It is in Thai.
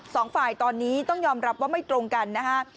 สองฝ่ายตอนนี้ต้องยอมรับว่าไม่ตรงกันนะฮะ